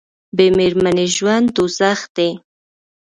بې میرمنې ژوند دوزخ دی